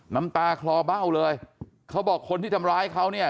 น้ำตาคลอเบ้าเลยเขาบอกคนที่ทำร้ายเขาเนี่ย